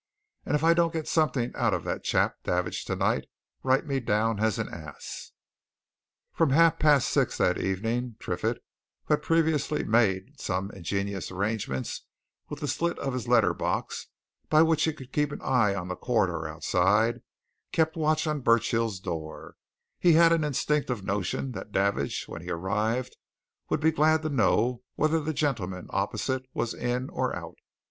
And if I don't get something out of that chap Davidge tonight, write me down an ass!" From half past six that evening, Triffitt, who had previously made some ingenious arrangements with the slit of his letter box, by which he could keep an eye on the corridor outside, kept watch on Burchill's door he had an instinctive notion that Davidge, when he arrived, would be glad to know whether the gentleman opposite was in or out.